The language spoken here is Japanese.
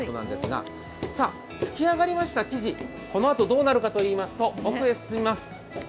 つき上がりました生地、このあとどうなるかというと奥へ行きます。